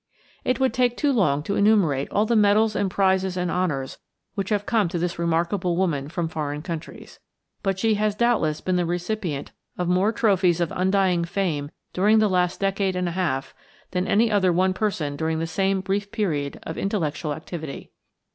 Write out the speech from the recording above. It would take too long to enumerate all the medals and prizes and honors which have come to this remarkable woman from foreign countries. But she has doubtless been the recipient of more trophies of undying fame during the last decade and a half than any other one person during the same brief period of intellectual activity.